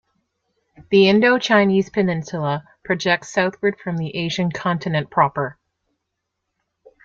The Indochinese Peninsula projects southward from the Asian continent proper.